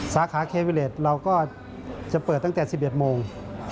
สาขาเควิเลสเราก็จะเปิดตั้งแต่๑๑โมง